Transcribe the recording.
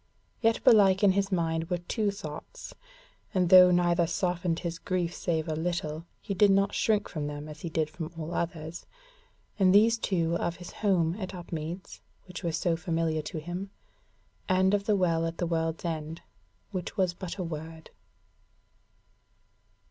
Yet belike in his mind were two thoughts, and though neither softened his grief save a little, he did not shrink from them as he did from all others; and these two were of his home at Upmeads, which was so familiar to him, and of the Well at the World's End, which was but a word.